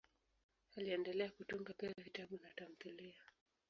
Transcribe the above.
Aliendelea kutunga pia vitabu na tamthiliya.